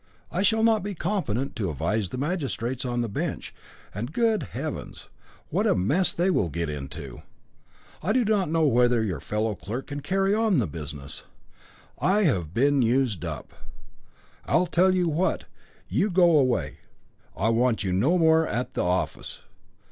I shall not be competent to advise the magistrates on the bench, and, good heavens! what a mess they will get into. I do not know whether your fellow clerk can carry on the business. I have been used up. I'll tell you what. You go away; I want you no more at the office.